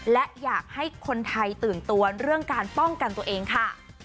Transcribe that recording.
และอยากให้คนไทยตื่นตัวเรื่องการป้องกันตัวเองค่ะ